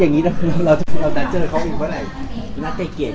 ถ้าที่แบบผมไว้ใจเป็นพญาเซฟให้แต่เรื่องกลางกายเป็นแบบนี้ครับ